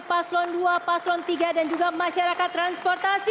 paslon dua paslon tiga dan juga masyarakat transportasi